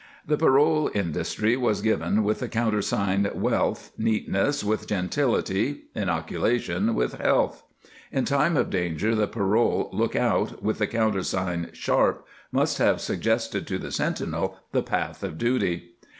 The parole Industry was given with the countersign Wealth, Neatness with Gentility, Inoculation with Health. In time of dan ger the parole Look out with the countersign Sharp must have suggested to the sentinel the path of duty.